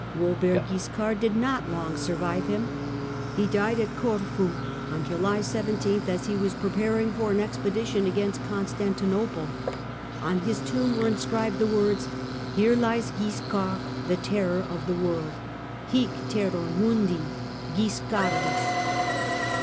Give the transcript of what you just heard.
Eobert Guiscard did not long survive him. He died at Corfu on July 17th, as he was preparing for an expedition against Constantinople. On his tomb were inscribed the words: "Here lies Guiscard, the terror of the world." {Hie terror Mundi Guiscardus.)